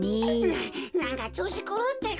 ななんかちょうしくるうってか。